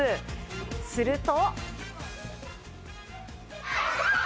すると。